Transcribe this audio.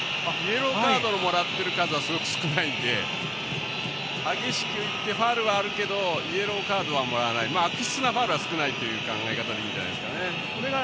イエローカードをもらっている数はすごく少ないんで激しくいってファウルはあるけどイエローカードはもらわない悪質なファウルはないといっていいですね。